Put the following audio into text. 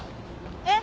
えっ！？